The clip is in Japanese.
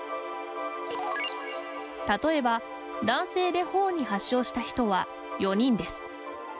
例えば、男性でほおに発症した人は４人です。